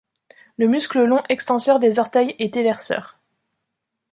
Le muscle long extenseur des orteils est éverseur.